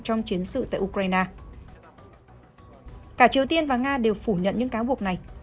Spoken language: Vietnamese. trong chiến sự tại ukraine cả triều tiên và nga đều phủ nhận những cáo buộc này